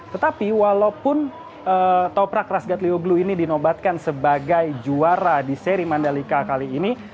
tetapi walaupun toprak rasgat lioglu ini dinobatkan sebagai juara di seri mandalika kali ini